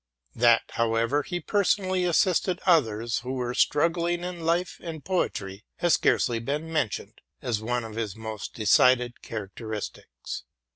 That, however, he personally assisted others who were struggling in life and poetry, has scarcely been mentioned, as one of his most decided characteristics.